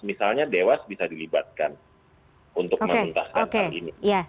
misalnya dewas bisa dilibatkan untuk menuntaskan hal ini